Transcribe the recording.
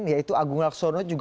ya juga tuan pak